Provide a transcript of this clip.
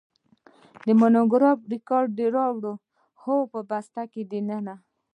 د فونوګراف رېکارډ دې راوړ؟ هو، په بسته کې دننه.